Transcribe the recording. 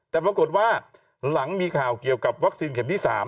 แต่ปรากฏว่าหลังมีข่าวเกี่ยวกับวัคซีนเข็มที่๓